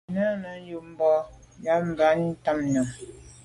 Bù à’ yə́n yúp mbɑ̂ bǎ tǎmnyɔ̀ŋ.